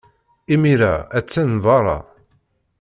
Imir-a, attan beṛṛa.